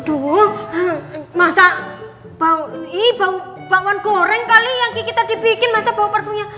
tuh masa bau ini bau bakwan goreng kali yang kita dibikin masa bau parfumnya